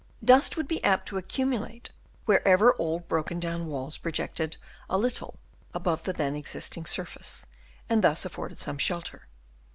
Dust would be apt to accumulate wherever old broken down walls projected a little above the then exist Chap. IV. OF ANCIENT BUILDINGS. 231 ing surface and thus afforded some shelter.